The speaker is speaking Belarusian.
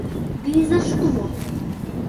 Ды і за што?